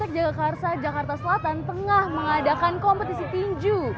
jagakarsa jakarta selatan tengah mengadakan kompetisi tinju